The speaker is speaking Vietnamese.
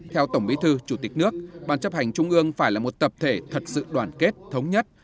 theo tổng bí thư chủ tịch nước ban chấp hành trung ương phải là một tập thể thật sự đoàn kết thống nhất